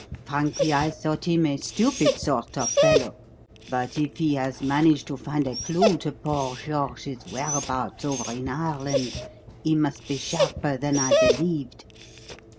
Frankly, I thought him a stupid sort of fellow, but if he has managed to find a clue to poor George's whereabouts over in Ireland, he must be sharper than I believed.